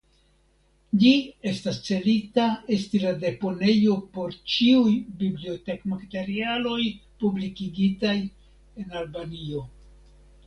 Ĝi estas celita esti la deponejo por ĉiuj bibliotekmaterialoj publikigitaj en Albanio.